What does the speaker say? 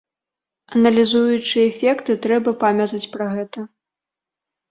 Аналізуючы эфекты, трэба памятаць пра гэта.